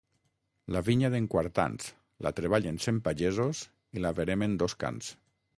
La vinya d'en Quartans: la treballen cent pagesos i la veremen dos cans.